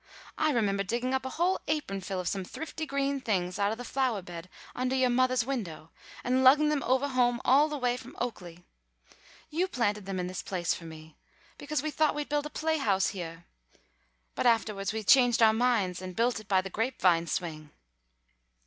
I remembah digging up a whole apronful of some thrifty green things out of the flowah bed undah yoah mothah's window and lugging them ovah home all the way from Oaklea. You planted them in this place for me, because we thought we'd build a play house heah, but aftahwards we changed our minds and built it by the grape vine swing."